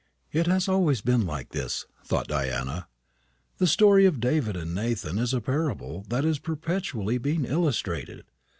"It has always been like this," thought Diana. "The story of David and Nathan is a parable that is perpetually being illustrated.